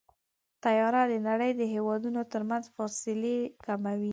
طیاره د نړۍ د هېوادونو ترمنځ فاصلې کموي.